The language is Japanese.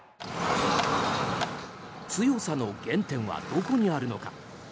強さの原点はどこにあるのか。